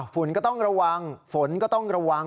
ก็ต้องระวังฝนก็ต้องระวัง